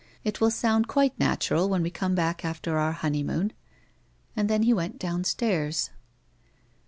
It will sound quite natural when we come back after our honey moon." And then he went downstairs.